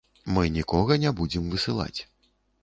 Мы нікога не будзем высылаць.